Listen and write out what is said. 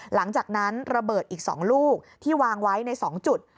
หลังจากนั้นระเบิดอีกสองลูกที่วางไว้ในสองจุด